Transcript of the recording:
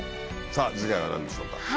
さぁ次回は何でしょうか？